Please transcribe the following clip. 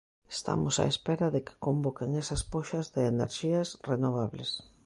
Estamos á espera de que convoquen esas poxas de enerxías renovables.